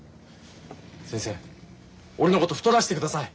先生俺のこと太らせてください。